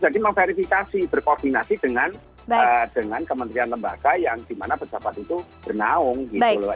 jadi memverifikasi berkoordinasi dengan kementerian lembaga yang dimana berdapat itu bernahung gitu loh